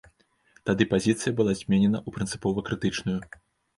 Тады пазіцыя была зменена ў прынцыпова крытычную.